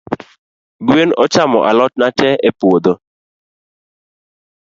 Gwen ochamo alotna tee epuodho.